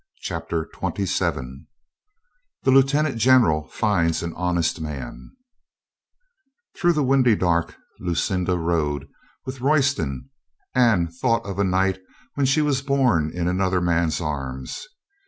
CHAPTER TWENTY SEVEN THE LIEUTENANT GENERAL FINDS AN HONEST MAN I ^ HROUGH the windy dark, Lucinda rode with •*• Royston and thought of a night when she was borne in another man's arms.